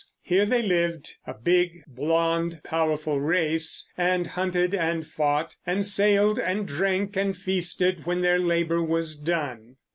Here they lived, a big, blond, powerful race, and hunted and fought and sailed, and drank and feasted when their labor was done.